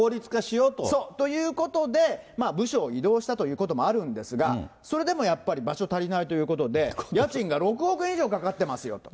そう、ということで、部署を移動したということもあるんですが、それでもやっぱり場所足りないということで、家賃が６億円以上かかってますよと。